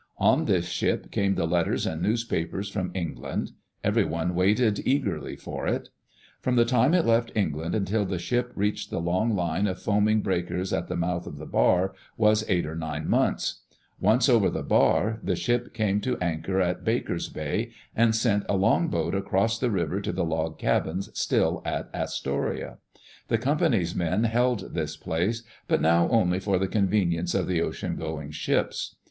On this ship came the letters and newspapers from England. Everyone waited eagerly for it. From the time it left England until the ship reached the long line of foaming breakers at the mouth of the bar, was eight or nine months. Once over die bar, the ship came to anchor in Baker's Bay, and sent a longboat across the river to the log cabins still at Astoria. The Com pany's men held this place, but now only for the conven ience of the ocean going ships.